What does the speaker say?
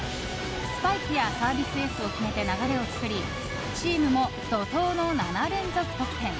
スパイクやサービスエースを決めて流れを作りチームも怒涛の７連続得点。